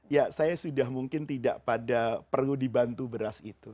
ya saya sudah mungkin tidak pada perlu dibantu beras itu